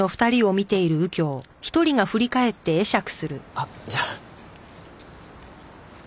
あっじゃあ。